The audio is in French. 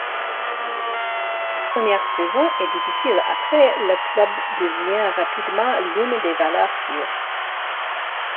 La première saison est difficile, après, le club devient rapidement l'une des valeurs sûres.